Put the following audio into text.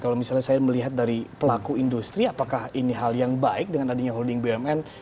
kalau misalnya saya melihat dari pelaku industri apakah ini hal yang baik dengan adanya holding bumn